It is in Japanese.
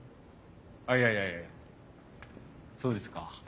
あいやいやそうですか。